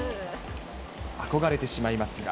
憧れてしまいますが。